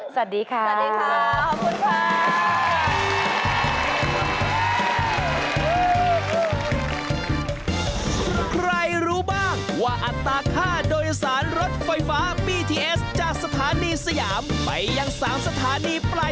สวัสดีค่ะ